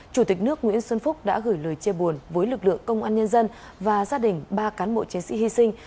chủ tịch nước nguyễn xuân phúc đã gửi lời chia buồn với lực lượng công an nhân dân và gia đình ba cán bộ chiến sĩ hy sinh